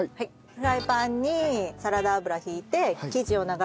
フライパンにサラダ油を引いて生地を流し入れたら。